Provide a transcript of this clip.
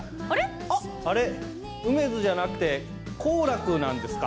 あれ、うめづじゃなくて幸楽なんですか？